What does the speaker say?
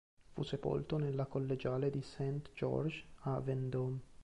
Fu sepolto nella collegiale di Saint-Georges a Vendôme.